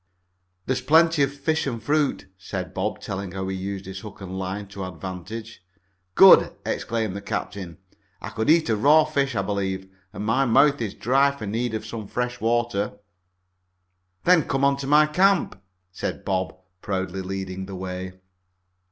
"There is plenty of fish and fruit," said Bob, telling how he had used his hook and line to advantage. "Good!" exclaimed the captain. "I could eat a fish raw, I believe, and my mouth is dry for need of some fresh water." "Then come on to my camp," said Bob, proudly leading the way.